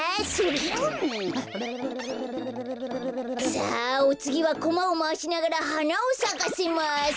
さあおつぎはコマをまわしながらはなをさかせます。